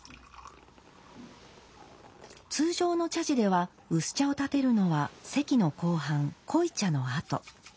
通常の茶事では薄茶を点てるのは席の後半濃茶のあと。